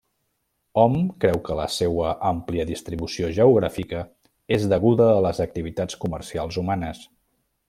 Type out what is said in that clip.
Hom creu que la seua àmplia distribució geogràfica és deguda a les activitats comercials humanes.